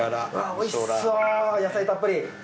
おいしそう野菜たっぷり！